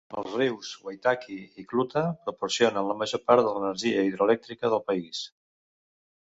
Els rius Waitaki i Clutha proporcionen la major part de l"energia hidroelèctrica del país.